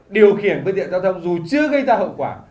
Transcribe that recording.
điều khiển phương tiện giao thông dù chưa gây ra hậu quả